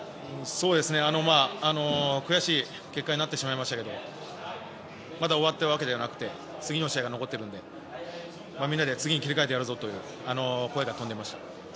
悔しい結果になってしまいましたけどまだ終わったわけではなくて次の試合が残っているのでみんなで次に切り替えて、やるぞという声が飛んでいました。